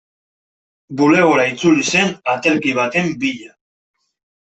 Bulegora itzuli zen aterki baten bila.